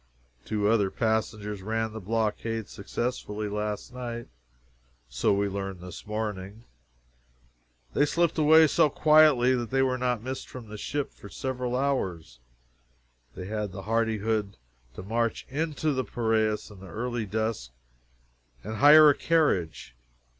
Two other passengers ran the blockade successfully last night. So we learned this morning. They slipped away so quietly that they were not missed from the ship for several hours. They had the hardihood to march into the Piraeus in the early dusk and hire a carriage.